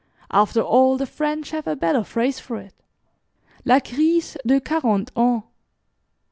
After all the French have a better phrase for it 'La Crise de quarante ans.'"